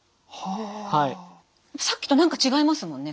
さっきと何か違いますもんね。